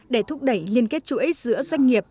để thúc đẩy liên kết chuỗi giữa doanh nghiệp